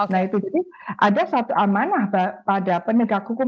nah itu jadi ada satu amanah pada penegak hukum